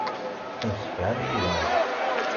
Tettemsefham yid-neɣ.